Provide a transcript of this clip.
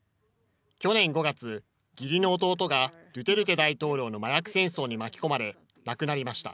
去年５月、義理の弟がドゥテルテ大統領の麻薬戦争に巻き込まれ亡くなりました。